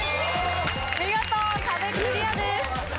見事壁クリアです。